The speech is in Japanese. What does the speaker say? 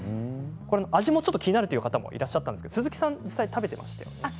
味もちょっと気になるという方もいらっしゃったんですが鈴木さん実際に食べていましたね。